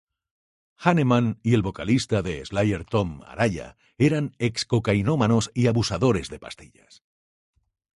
Hanneman y el vocalista de Slayer Tom Araya eran ex-cocainómanos y abusadores de pastillas.